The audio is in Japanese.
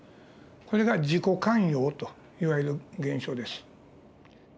これが自己寛容といわれる現象です。